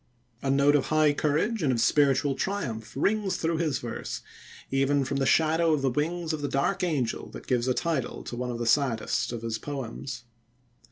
A note of high courage and of spiritual triumph rings through his verse, even from the shadow of the wings of the dark angel that gives a title to one of the saddest of his poems.